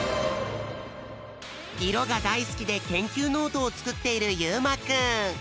いろがだいすきでけんきゅうノートをつくっているゆうまくん。